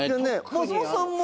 松本さんも。